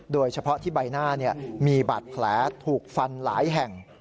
โดยเฉพาะที่ใบหน้ามีบาดแผลถูกฟันหลายแห่ง